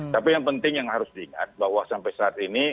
tapi yang penting yang harus diingat bahwa sampai saat ini